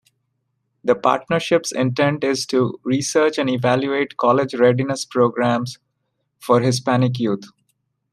The partnership's intent is to research and evaluate college-readiness programs for Hispanic youth.